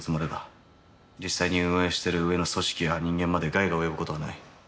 実際に運営してる上の組織や人間まで害が及ぶ事はない。